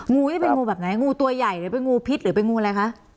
งูนี่เป็นงูแบบไหนงูตัวใหญ่หรือเป็นงูพิษหรือเป็นงูอะไรคะ